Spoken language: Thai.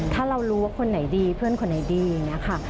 ถ้าเรารู้ว่าคนไหนดีเพื่อนคนไหนดีนะคะ